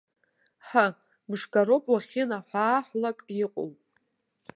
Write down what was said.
Ҳы, мшгароуп уахьынаҳәааҳәлак иҟоу!